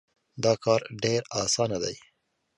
دا کار ډېر اسان دی.